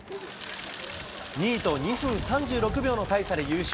２位と２分３６秒の大差で優勝。